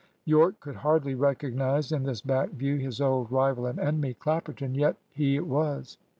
Yorke could hardly recognise in this back view his old rival and enemy, Clapperton. Yet he it was.